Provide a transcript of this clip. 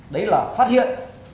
đấy là phát hiện